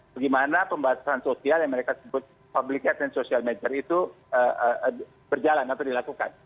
bagaimana pembatasan sosial yang mereka sebut public at and social mature itu berjalan atau dilakukan